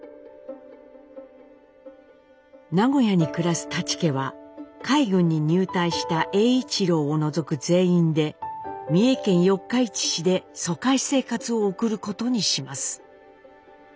名古屋に暮らす舘家は海軍に入隊した栄一郎を除く全員で三重県四日市市で疎開生活を送ることにします。